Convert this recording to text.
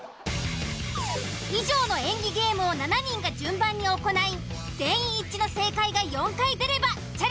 以上の演技ゲームを７人が順番に行い全員一致の正解が４回出ればチャレンジ成功！